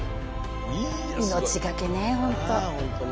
命がけね本当。